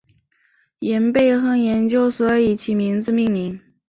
廷贝亨研究所以其名字命名。